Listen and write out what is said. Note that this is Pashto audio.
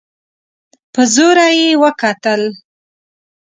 په زوره يې وکتل.